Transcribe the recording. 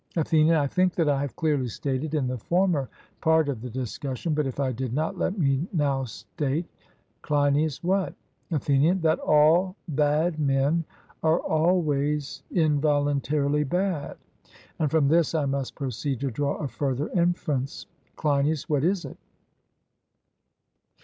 ATHENIAN: I think that I have clearly stated in the former part of the discussion, but if I did not, let me now state CLEINIAS: What? ATHENIAN: That all bad men are always involuntarily bad; and from this I must proceed to draw a further inference. CLEINIAS: What is it?